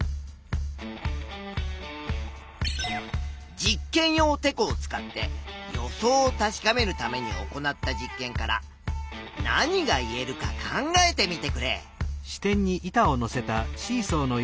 実験用てこを使って予想を確かめるために行った実験から何が言えるか考えてみてくれ。